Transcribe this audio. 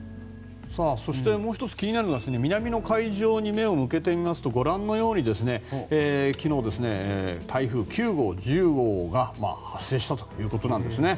そしてもう１つ気になるのは南の海上に目を向けてみますとご覧のように昨日、台風９号、１０号が発生したということです。